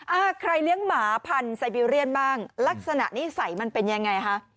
อ่าใครเลี้ยงหมาพันธุ์ไซบีเรียนบ้างลักษณะนิสัยมันเป็นยังไงคะ